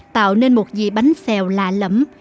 tạo nên một dị bánh xèo lạ lẫm